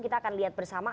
kita akan lihat bersama